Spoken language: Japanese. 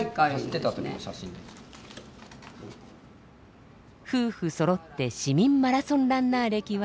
夫婦そろって市民マラソンランナー歴は１５年以上。